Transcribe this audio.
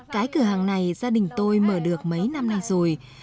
cái cửa hàng này gia đình tôi mở được mấy năm nay rồi